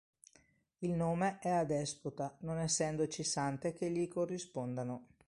Il nome è adespota, non essendoci sante che gli corrispondano.